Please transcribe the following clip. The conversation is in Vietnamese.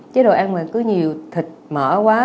chế độ ăn mà cứ nhiều thịt mỡ quá